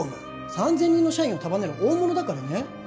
３千人の社員を束ねる大物だからね